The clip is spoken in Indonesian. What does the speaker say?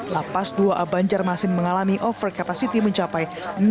lapas dua a banjarmasin mengalami over capacity mencapai enam ratus tiga puluh